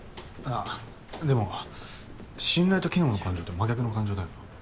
あでも「信頼」と「嫌悪」の感情って真逆の感情だよな。